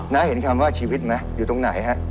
เห็นคำว่าชีวิตไหมอยู่ตรงไหนฮะ